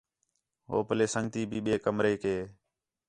ہو پلے سنڳتی بھی ٻئے کمریک ہے